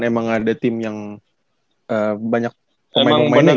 emang ada tim yang banyak pemain pemainnya